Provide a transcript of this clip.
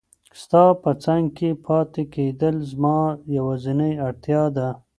ستا په څنګ کې پاتې کېدل زما یوازینۍ اړتیا ده.